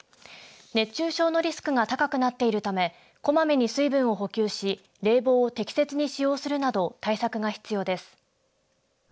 熱中症のリスクが高くなっているためこまめに水分を補給し冷房を適切に使用するなど対策が必要です。